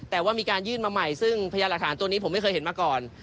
แต่ว่ามีการยื่นมาใหม่ซึ่งพยานหลักฐานตัวนี้ผมไม่เคยเห็นมาก่อน